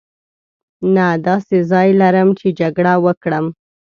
نه داسې ځای لرم چې جګړه وکړم.